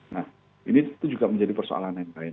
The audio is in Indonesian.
nah ini itu juga menjadi persoalan yang lain